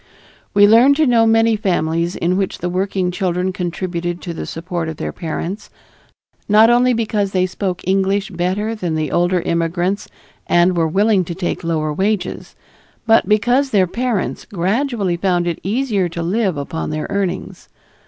We learned to know many families in which the working children contributed to the support of their parents, not only because they spoke English better than the older immigrants and were willing to take lower wages, but because their parents gradually found it easy to live upon their earnings.